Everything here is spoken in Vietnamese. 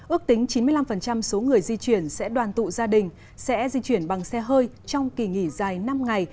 ước tính chín mươi năm số người di chuyển sẽ đoàn tụ gia đình sẽ di chuyển bằng xe hơi trong kỳ nghỉ dài năm ngày